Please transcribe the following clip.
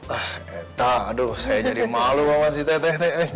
ah entah aduh saya jadi malu banget sih teh teh teh